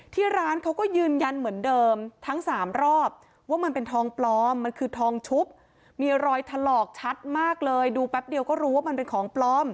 ที่ร้านเขาก็ยืนยันเหมือนเดิมทั้งสามรอบว่ามันเป็นทองปลอมมันคือทองชุบมีรอยถลอกชัดมากเลยดูแป๊บเดียวก็รู้ว่ามันเป็นของปลอม